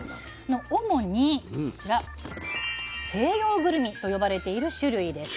主にこちら西洋ぐるみと呼ばれている種類です。